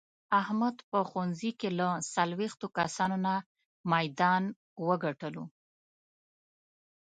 احمد په ښوونځې کې له څلوېښتو کسانو نه میدان و ګټلو.